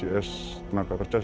saya rasanya tidak masuk akal